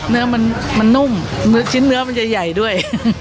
เนื้อมันนุ่มชิ้นเนื้อมันจะใหญ่ด้วย